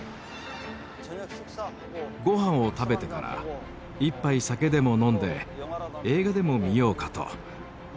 ごはんを食べてから一杯酒でも飲んで映画でも見ようかと。